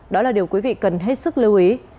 đó là điều quý vị cần hết sức lưu